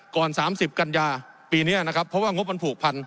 ก่อนสามสิบกันยาปีเนี้ยนะครับเพราะว่างบันผูกพันธุ์